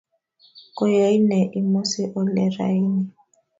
Koyain ne imusu oli raini?